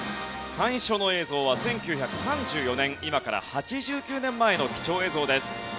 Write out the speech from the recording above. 最初の映像は１９３４年今から８９年前の貴重映像です。